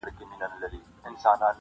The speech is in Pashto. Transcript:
ما د عشق سبق ویلی ستا د مخ په سېپارو کي,